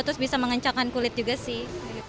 terus bisa mengencangkan kulit juga sih